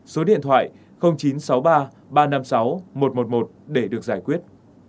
số điện thoại chín trăm sáu mươi ba ba trăm năm mươi sáu một trăm một mươi một để được giải quyết